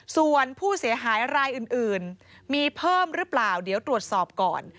ส่วนผู้เสียหายรายอื่นมีเพิ่มหรือเปล่าเดี๋ยวตรวจสอบก่อน